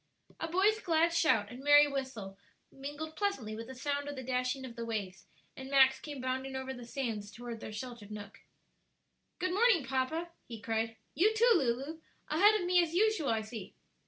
A boy's glad shout and merry whistle mingled pleasantly with the sound of the dashing of the waves, and Max came bounding over the sands toward their sheltered nook. "Good morning, papa," he cried. "You too, Lulu. Ahead of me as usual, I see!"